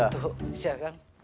tuh bisa kan